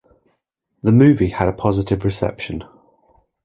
The movie had a positive reception.